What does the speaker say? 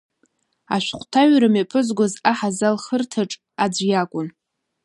Ашәҟәҭаҩра мҩаԥызгоз аҳазалхырҭаҿ аӡә иакәын.